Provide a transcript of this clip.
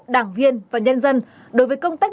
đảng viên và nhân dân đối với công tác